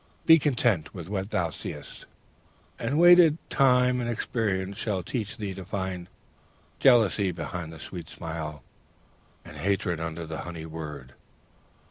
Be content with what thou seest; and wait until Time and Experience shall teach thee to find jealousy behind the sweet smile, and hatred under the honeyed word!'